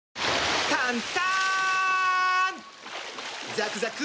ザクザク！